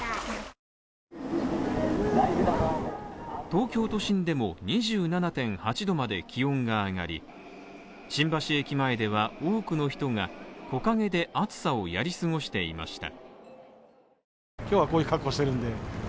東京都心でも２７．８℃まで気温が上がり、新橋駅前では、多くの人が、木陰で暑さをやり過ごしていました。